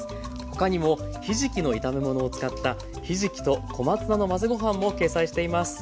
他にもひじきの炒め物を使ったひじきと小松菜の混ぜご飯も掲載しています。